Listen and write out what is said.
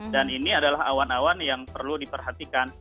ini adalah awan awan yang perlu diperhatikan